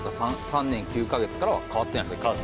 ３年９か月からは変わってないんですか？